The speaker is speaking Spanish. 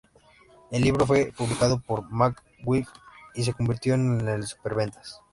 El libro fue publicado por McGraw-Hill y se convirtió en un superventas.